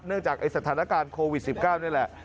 จากสถานการณ์โควิด๑๙นี่แหละ